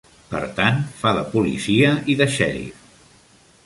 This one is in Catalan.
Per tant, fa de policia i de xèrif.